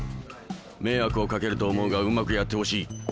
迷惑をかけると思うがうまくやってほしい。